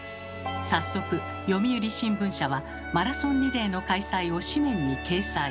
早速読売新聞社はマラソンリレーの開催を紙面に掲載。